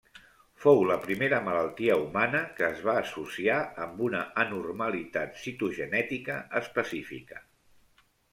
Fou la primera malaltia humana que es va associar amb una anormalitat citogenètica específica.